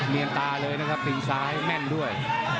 เนียนตาเลยนะครับตีนซ้ายแม่นด้วย